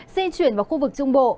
di chuyển vào khu vực trung bộ